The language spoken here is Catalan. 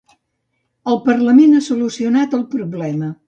El Parlament ha solucionat el problema.